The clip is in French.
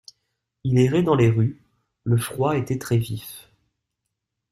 Il errait dans les rues, le froid était très-vif.